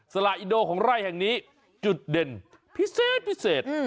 สละอินโดของไร่แห่งนี้จุดเด่นพิเศษพิเศษ